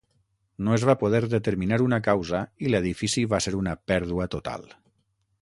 No es va poder determinar una causa i l"edifici va ser una pèrdua total.